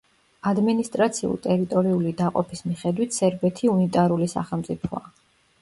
ადმინისტრაციულ-ტერიტორიული დაყოფის მიხედვით სერბეთი უნიტარული სახელმწიფოა.